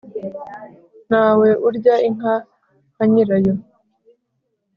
Ntawe urya inka nka nyirayo.